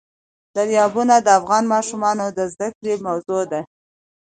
دریابونه د افغان ماشومانو د زده کړې موضوع ده.